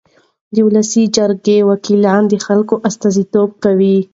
د ولسي جرګې وکیلان د خلکو استازیتوب کوي.